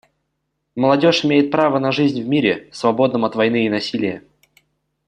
Молодежь имеет право на жизнь в мире, свободном от войны и насилия.